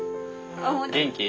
元気？